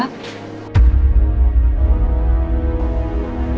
aduh kaki gue nunggu